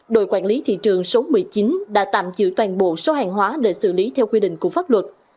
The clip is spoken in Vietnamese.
đội quản lý thị trường số một mươi chín đã tạm giữ toàn bộ số hàng hóa để xử lý theo quy định của pháp luật